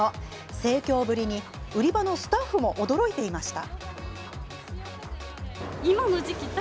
盛況ぶりに売り場のスタッフも驚いていました。